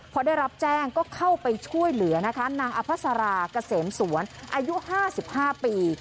พอได้รับแจ้งก็เข้าไปช่วยเหลือนะคะนางอภัสราเกษมสวนอายุ๕๕ปี